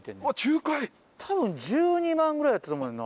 多分１２万ぐらいやったと思うねんな。